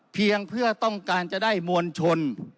เพียงเพื่อต้องการจะได้มวลชน